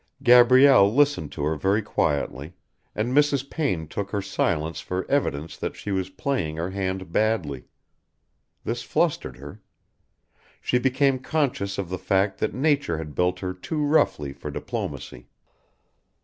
Gabrielle listened to her very quietly, and Mrs. Payne took her silence for evidence that she was playing her hand badly. This flustered her. She became conscious of the fact that nature had built her too roughly for diplomacy.